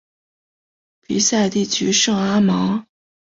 皮赛地区圣阿芒。